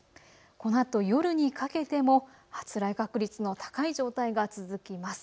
このあと夜にかけても発雷確率の高い状態が続きます。